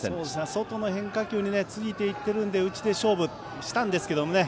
外の変化球についていっているので内で勝負したんですけどね。